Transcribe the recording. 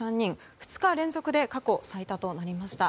２日連続で過去最多となりました。